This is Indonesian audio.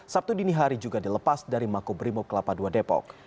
sabtu dini hari juga dilepas dari mako brimob kelapa dua depok